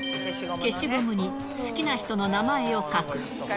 消しゴムに好きな人の名前を書く。